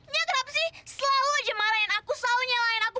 ya kenapa sih selalu aja marahin aku selalu nyawain aku